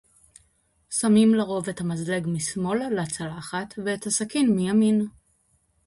שמים לרוב את המזלג משמאל לצלחת ואת הסכין מימין